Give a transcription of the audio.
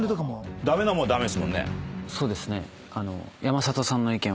そうですね。